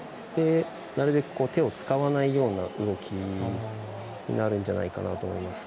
なるべく手を使わないような動きになるんじゃないかなと思います。